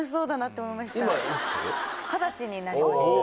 二十歳になりました。